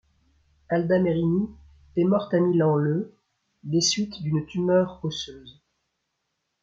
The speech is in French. Alda Merini est morte à Milan le des suites d'une tumeur osseuse.